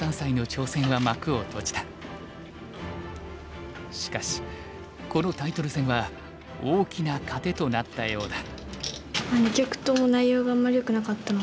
連敗でしかしこのタイトル戦は大きな糧となったようだ。